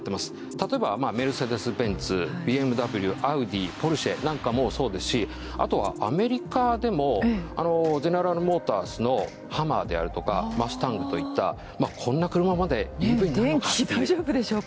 たとえばメルセデス・ベンツＢＭＷアウディポルシェなんかもそうですしあとはアメリカでもゼネラルモーターズのハマーであるとかマスタングといったこんな車までＥＶになるのかっていう。